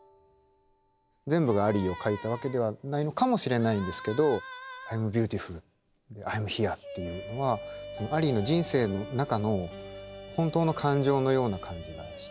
全部がアリーを書いたわけではないのかもしれないんですけど「アイムビューティフル」「アイムヒア」っていうのはアリーの人生の中の本当の感情のような感じがして。